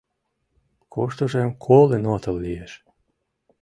— Куштыжым колын отыл лиеш...